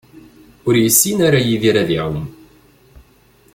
Ur yessin ara Yidir ad iɛumm.